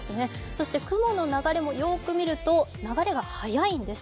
そして雲の流れもよーく見ると流れが速いんです。